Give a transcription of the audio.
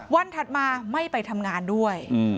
ถัดมาไม่ไปทำงานด้วย